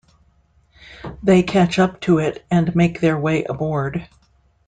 They catch up to it and make their way aboard.